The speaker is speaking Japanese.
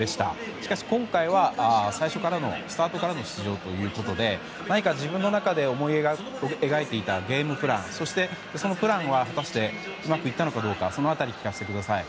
しかし今回は最初、スタートからの出場ということで自分の中で思い描いていたゲームプランそして、そのプランは果たしてうまくいったのかどうかその辺り聞かせてください。